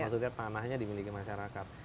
maksudnya tanahnya dimiliki masyarakat